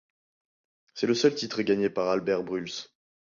C'est le seul titre gagné par Albert Brülls.